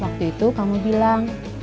waktu itu kamu bilang